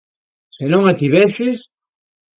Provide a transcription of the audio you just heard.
Se non a tiveses?